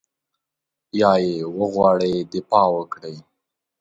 یا یې وغواړي دفاع وکړي.